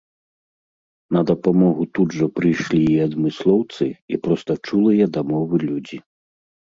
На дапамогу тут жа прыйшлі і адмыслоўцы, і проста чулыя да мовы людзі.